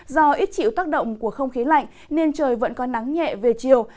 do ít chịu tác động của không khí lạnh nên trời vẫn có nắng nhẹ về chiều